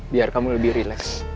biar kamu lebih relax